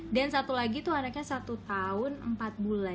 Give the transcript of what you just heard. dan satu lagi tuh anaknya satu tahun empat bulan